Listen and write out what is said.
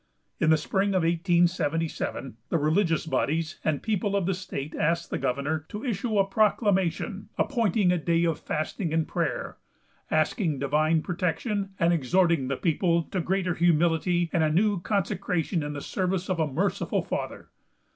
In the early spring of 1877, the religious bodies and people of the state asked the governor to issue a proclamation appointing a day of fasting and prayer, asking Divine protection, and exhorting the people to greater humility and a new consecration in the service of a merciful Father.